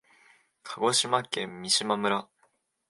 鹿児島県三島村